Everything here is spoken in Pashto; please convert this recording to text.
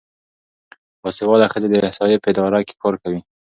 باسواده ښځې د احصایې په اداره کې کار کوي.